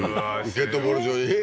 ゲートボール場に？